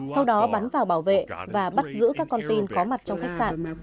sau đó bắn vào bảo vệ và bắt giữ các con tin có mặt trong khách sạn